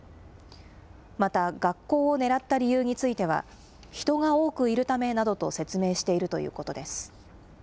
また、学校を狙った理由については、人が多くいるためなどと説明しているということです。